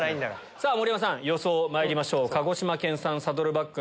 さぁ盛山さん予想まいりましょう。